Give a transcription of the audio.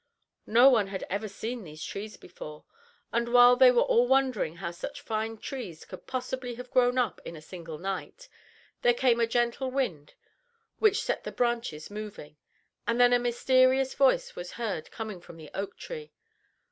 No one had ever seen these trees before, and while they were all wondering how such fine trees could possibly have grown up in a single night, there came a gentle wind which set the branches moving, and then a mysterious voice was heard coming from the oak tree.